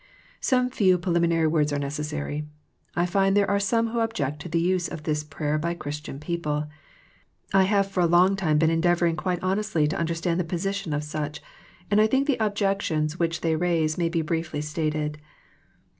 Some few preliminary words are necessary. I find there are some who object to the use of this prayer by Christian people. I have for a long time been endeavoring quite honestly to under stand the position of such, and I think the ob jections which they raise may be briefly stated.